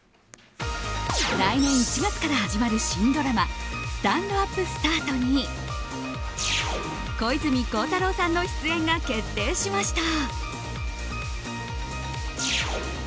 来年１月から始まる新ドラマ「スタンドＵＰスタート」に小泉孝太郎さんの出演が決定しました。